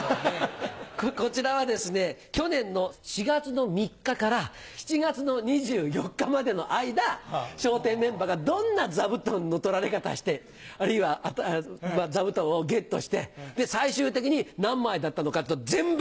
こちらはですね去年の４月の３日から７月の２４日までの間笑点メンバーがどんな座布団の取られ方してあるいは座布団をゲットして最終的に何枚だったのかって全部！